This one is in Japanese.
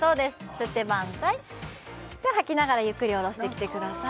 吸ってバンザイでは吐きながらゆっくり下ろしてきてください